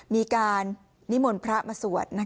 มีการนิมนต์พระมาสวด